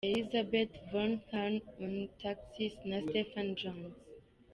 Elisabeth von Thurn und Taxis na Stephen Jones .